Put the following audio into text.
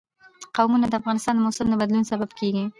قومونه د افغانستان د موسم د بدلون سبب کېږي.